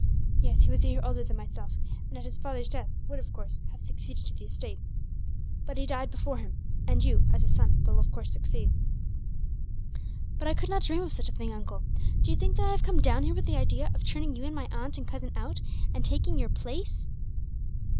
Yes, he was a year older than myself; and at his father's death would, of course, have succeeded to the estate. But he died before him; and you, as his son, will of course succeed." "But I could not dream of such a thing, uncle. Do you think that I have come down here with the idea of turning you and my aunt and cousin out, and taking your place?